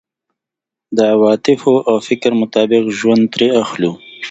د عواطفو او فکر مطابق ژوند ترې اخلو.